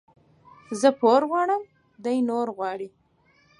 زه پور غواړم ، دى نور غواړي.